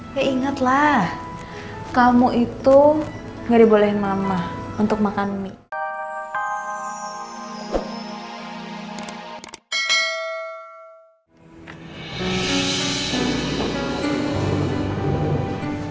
ya inget lah kamu itu gak dibolehin mama untuk makan mie